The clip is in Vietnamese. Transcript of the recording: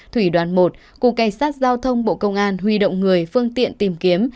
thủy đoàn một cục cảnh sát giao thông bộ công an huy động người phương tiện tìm kiếm